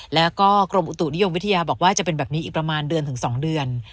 แล้วก็กรมอุตุนิยมวิทยาบอกว่าจะเป็นแบบนี้อีกประมาณเดือนถึง๒เดือน